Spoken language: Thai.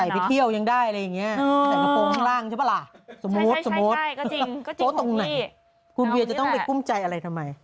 ใส่ไปเที่ยวยังได้อะไรแบบเนี้ย